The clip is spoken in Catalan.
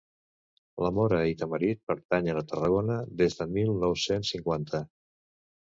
La Mora i Tamarit pertanyen a Tarragona des del mil nou-cents cinquanta.